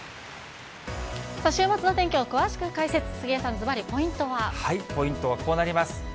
週末の天気を詳しく解説、ポイントはこうなります。